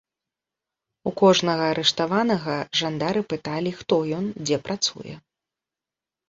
У кожнага арыштаванага жандары пыталі, хто ён, дзе працуе.